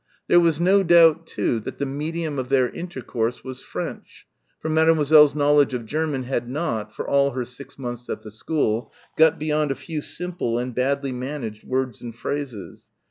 There was no doubt, too, that the medium of their intercourse was French, for Mademoiselle's knowledge of German had not, for all her six months at the school, got beyond a few simple and badly managed words and phrases.